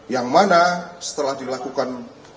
yang mana setelah dilakukan